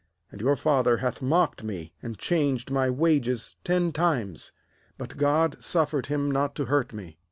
7And your father hath mocked me, and changed my wages ten times; but God suffered him not to hurt me.